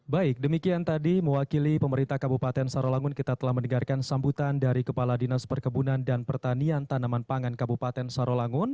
baik demikian tadi mewakili pemerintah kabupaten sarawangun kita telah mendengarkan sambutan dari kepala dinas perkebunan dan pertanian tanaman pangan kabupaten sarolangun